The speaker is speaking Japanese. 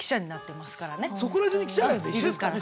そこら中に記者がいるのと一緒ですからね。